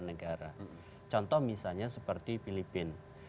negara contoh misalnya seperti filipina